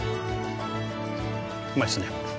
うまいっすね。